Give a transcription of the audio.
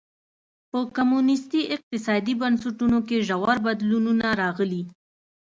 په کمونېستي اقتصادي بنسټونو کې ژور بدلونونه راغلي.